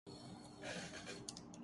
jazz اور وارد کی franchise بھی مشترکہ ہوں گی